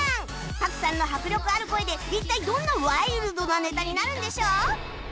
朴さんの迫力ある声で一体どんなワイルドなネタになるんでしょう？